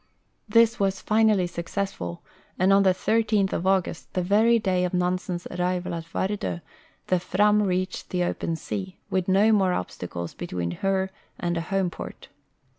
This was finally successful, and on the 13th of August, the very day of Nansen's arrival at Vard5, the Fram reached the open sea, with no more ob stacles between her and a home port.